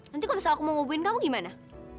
nanti kalau misalnya aku mau hubungin kamu gimana